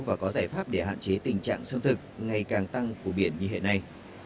và có giải pháp để hạn chế tình trạng xâm thực ngày càng tăng của biển như hiện nay